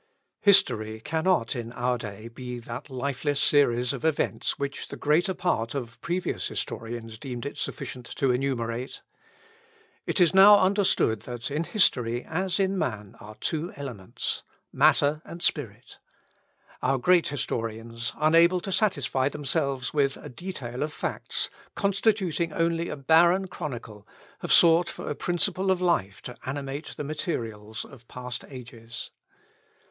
History cannot, in our day, be that lifeless series of events which the greater part of previous historians deemed it sufficient to enumerate. It is now understood that in history as in man are two elements, matter and spirit. Our great historians, unable to satisfy themselves with a detail of facts, constituting only a barren chronicle, have sought for a principle of life to animate the materials of past ages.